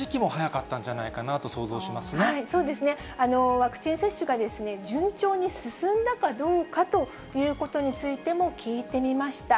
ワクチン接種が順調に進んだかどうかということについても聞いてみました。